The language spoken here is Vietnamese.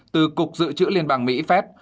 từ cục dự trữ liên bang mỹ phép